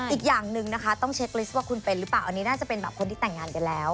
อีกอย่างหนึ่งนะคะต้องเช็คลิสต์ว่าคุณเป็นหรือเปล่าอันนี้น่าจะเป็นแบบคนที่แต่งงานกันแล้ว